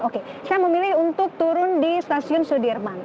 oke saya memilih untuk turun di stasiun sudirman